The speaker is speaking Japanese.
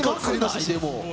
でも。